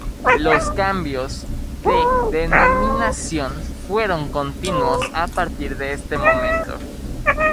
Los cambios de denominación fueron continuos a partir de este momento.